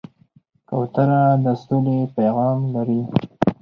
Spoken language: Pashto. کوتره د سولې پیغام لري.